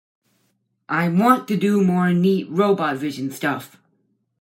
I want to do more neat robot vision stuff.